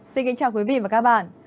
xin kính chào quý vị và các bạn